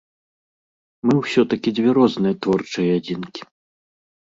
Мы ўсё-такі дзве розныя творчыя адзінкі.